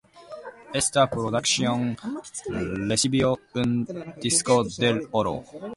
Esta producción recibió un "disco de oro".